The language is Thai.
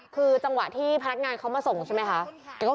คือจังหวะที่พนักงานเขามาส่งใช่ไหมคะ